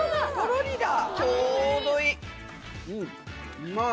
うまい！